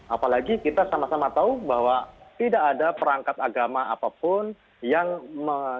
apalagi kita sama sama tahu bahwa tidak ada perangkat agama apapun yang menyebabkan